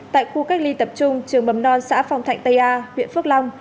tại khu cách ly tập trung trường mầm non xã phong thạnh tây a huyện phước long